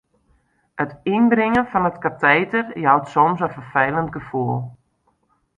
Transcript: It ynbringen fan it kateter jout soms in ferfelend gefoel.